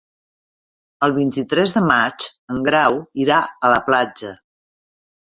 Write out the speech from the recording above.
El vint-i-tres de maig en Grau irà a la platja.